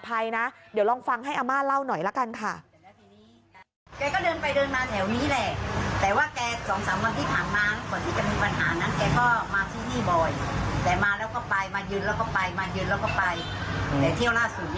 หลายปีแล้วครับแต่ว่าหลายปีนี่เขาจับปกติดดีครับ